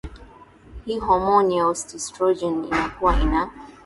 hii hormone ya osistrogen inakuwa ina